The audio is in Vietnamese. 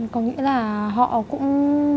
có nghĩa là họ cũng